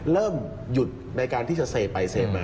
เริ่มหยุดในการที่จะเซไปเซมา